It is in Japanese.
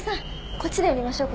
こっちでやりましょう。